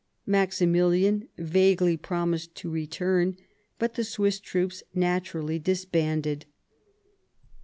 Maximilian vaguely promised to return, but th« . Swiss troops naturally disbanded.